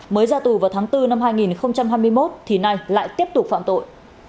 mới ra tù vào tháng bốn năm hai nghìn hai mươi một thì nay lại tiếp tục phạm tội